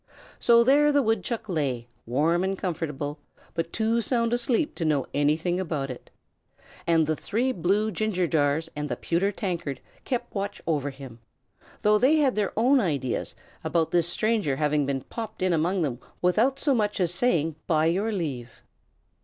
So there the woodchuck lay, warm and comfortable, but too sound asleep to know anything about it. And the three blue ginger jars and the pewter tankard kept watch over him, though they had their own ideas about this stranger having been popped in among them without so much as saying, "By your leave!"